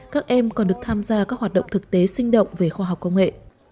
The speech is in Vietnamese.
các em còn được tham gia các hoạt động thực tế sinh động về khoa học công nghệ